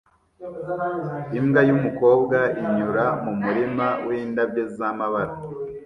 Imbwa yumukobwa inyura mumurima windabyo zamabara